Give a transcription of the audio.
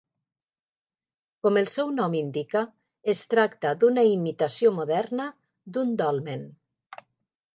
Com el seu nom indica, es tracta d'una imitació moderna d'un dolmen.